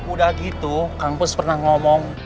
udah gitu kang mus pernah ngomong